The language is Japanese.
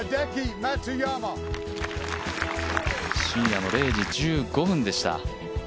深夜の０時１５分でした。